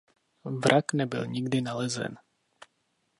Vrak nebyl nikdy nalezen.